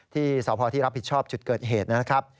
ที่สพที่รับผิดชอบจุดเกิดเหตุนะครับ